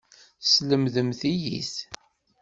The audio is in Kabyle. Teslemdemt-iyi-t.